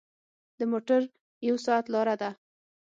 د موټر یو ساعت لاره ده.